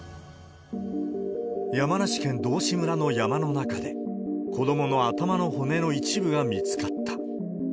山梨県道志村の山の中で、子どもの頭の骨の一部が見つかった。